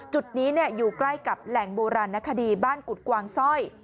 จุดนี้อยู่ใกล้กับแหล่งโบราณนคดีบ้านกุฎกวางสร้อย